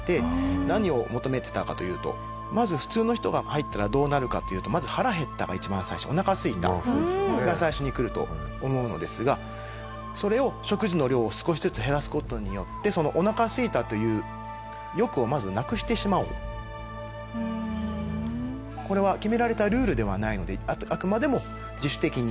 何を求めてたかというとまず普通の人が入ったらどうなるかというとまず腹減ったが一番最初おなかすいたが最初にくると思うのですがそれを食事の量を少しずつ減らす事によってそのこれは決められたルールではないのであくまでも自主的に。